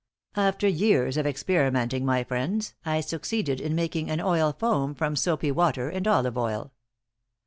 After years of experimenting, my friends, I succeeded in making an oil foam from soapy water and olive oil.